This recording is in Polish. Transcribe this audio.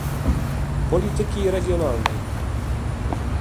Polityki Regionalnej